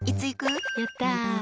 やったー！